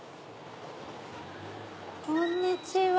こんにちは。